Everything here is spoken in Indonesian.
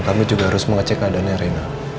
kami juga harus mengecek keadaannya rena